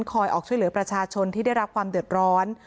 ออกช่วยเหลือประชาชนที่ได้รับความเดือดร้อน